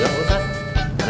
ya pak ustadz